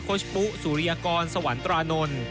ชปุ๊สุริยากรสวรรตรานนท์